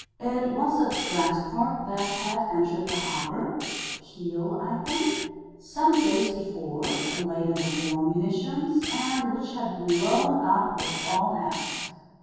It was a transport that had entered the harbour Kiel, I think some days before, laden with war munitions, and which had blown up with all hands.